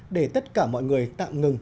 để tất cả mọi người tạm ngừng